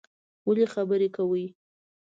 ولی خبری کوی